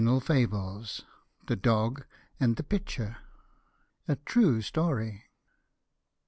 FABLE X. THE DOG AND THE PITCHER. (A true Story.)